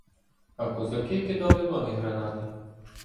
А козаки кидали нові гранати.